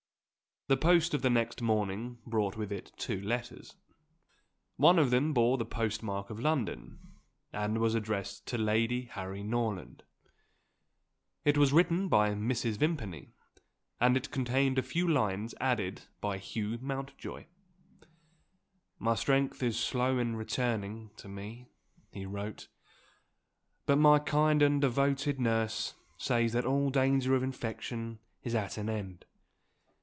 The post of the next morning brought with it two letters. One of them bore the postmark of London, and was addressed to Lady Harry Norland. It was written by Mrs. Vimpany, and it contained a few lines added by Hugh Mountjoy. "My strength is slow in returning to me" (he wrote); "but my kind and devoted nurse says that all danger of infection is at an end.